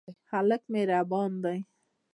هلک مهربان دی.